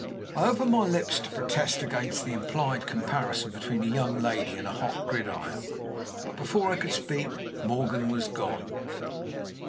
I opened my lips to protest against the implied comparison between a young lady and a hot gridiron, but, before I could speak, Morgan was gone.